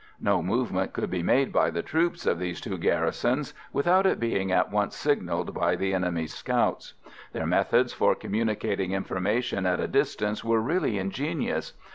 No movement could be made by the troops of these two garrisons without it being at once signalled by the enemy's scouts. Their methods for communicating information at a distance were really ingenious.